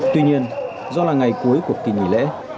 tuy nhiên do là ngày cuối cuộc tình nghỉ lễ